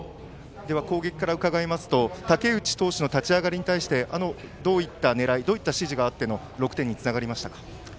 攻撃から伺いますと武内投手の立ち上がりに対してどういった狙いどういった指示があって６点につながりましたか。